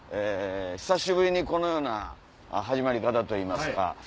久しぶりにこのような始まり方といいますか。